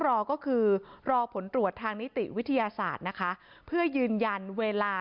รอก็คือรอผลตรวจทางนิติวิทยาศาสตร์นะคะเพื่อยืนยันเวลา